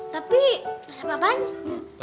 tapi resep apaan